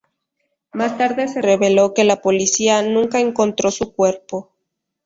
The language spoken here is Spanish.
Más tarde se reveló que la policía nunca encontró su cuerpo.